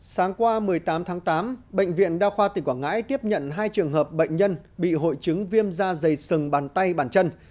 sáng qua một mươi tám tháng tám bệnh viện đa khoa tỉnh quảng ngãi tiếp nhận hai trường hợp bệnh nhân bị hội chứng viêm da dày sừng bàn tay bàn chân